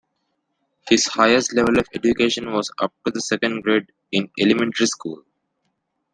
His highest level of education was up to the second grade in elementary school.